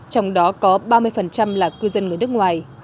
trong đó có ba mươi là cư dân người nước ngoài